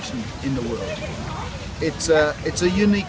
ini adalah pulau yang unik